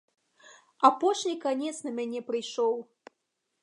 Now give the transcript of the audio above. Апошні канец на мяне прыйшоў.